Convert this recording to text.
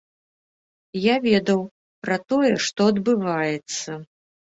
Я ведаў пра тое, што адбываецца.